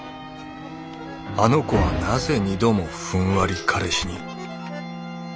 あの子はなぜ二度もふんわり彼氏に。